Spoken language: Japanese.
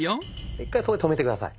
一回そこで止めて下さい。